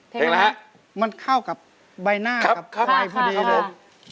ทิ้งนะฮะมันเข้ากับใบหน้ากับไว้พอดีเลยครับ